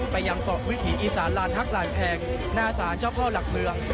ประยังศอกวิถีอีสานลาทรักษ์ระหลางแพงหน้าศานเจ้าลาคบัวหลักเมือง